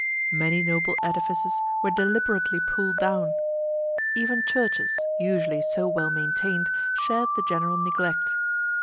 Many noble edifices were deliberately pulled down. Even churches, usually so well maintained, shared the general neglect.